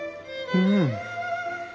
うん！